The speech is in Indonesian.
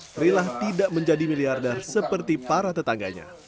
trilah tidak menjadi miliarder seperti para tetangganya